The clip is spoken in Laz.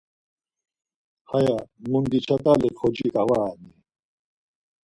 Haya mundi çat̆ali xociǩa va reni?